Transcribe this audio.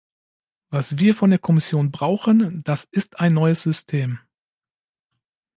Was wir von der Kommission brauchen, das ist ein neues System.